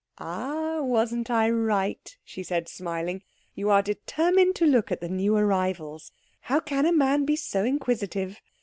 "Ah! wasn't I right?" she said, smiling. "You are determined to look at the new arrivals. How can a man be so inquisitive?